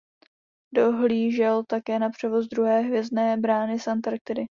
Dohlížel také na převoz druhé Hvězdné brány z Antarktidy.